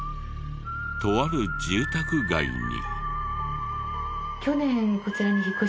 とある住宅街に。